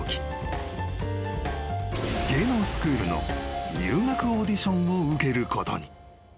［芸能スクールの入学オーディションを受けることに］